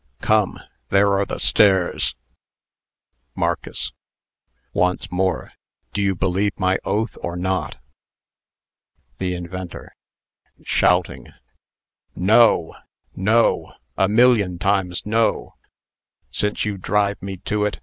Come, there are the stairs." MARCUS. "Once more. Do you believe my oath, or not?" THE INVENTOR (shouting). "No! no! a million times, no! since you drive me to it.